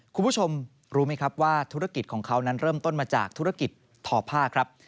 คุณผู้ชมรู้ไหมครับว่าธุรกิจของเขานั้นเริ่มต้นมาจากธุรกิจทอผ้าครับ